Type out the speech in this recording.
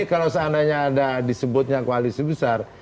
kalau seandainya ada disebutnya koalisi besar